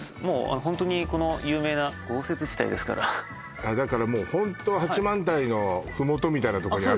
ホントにこの有名な豪雪地帯ですからだからもうホント八幡平のふもとみたいなとこにあるのね